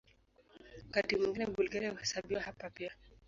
Wakati mwingine Bulgaria huhesabiwa hapa pia.